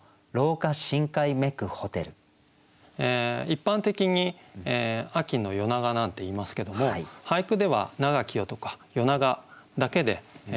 一般的に「秋の夜長」なんていいますけども俳句では「長き夜」とか「夜長」だけで季語になります。